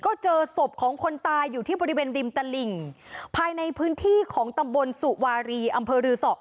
ก็เจอศพของคนตายอยู่ที่บริเวณริมตลิ่งภายในพื้นที่ของตำบลสุวารีอำเภอรือสอ